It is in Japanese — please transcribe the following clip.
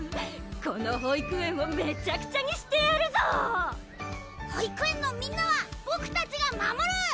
この保育園をめちゃくちゃにしてやるぞ保育園のみんなはボクたちが守る！